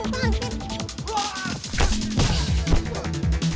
soalnya ini guaties